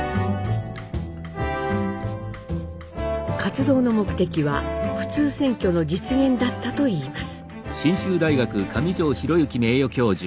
活動の目的は普通選挙の実現だったといいます。